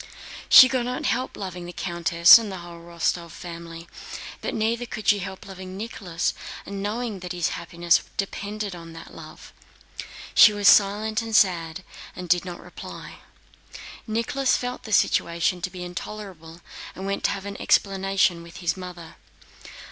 She could not help loving the countess and the whole Rostóv family, but neither could she help loving Nicholas and knowing that his happiness depended on that love. She was silent and sad and did not reply. Nicholas felt the situation to be intolerable and went to have an explanation with his mother.